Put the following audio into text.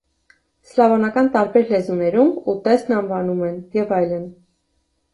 Սլավոնական տարբեր լեզուներում ուտեստն անվանում են , և այլն։